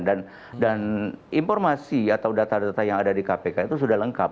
dan informasi atau data data yang ada di kpk itu sudah lengkap